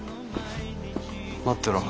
待ってろ。